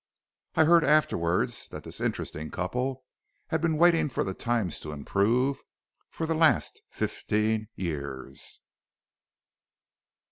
"I heard afterward that this interesting couple had been waiting for the times to improve, for the last fifteen years."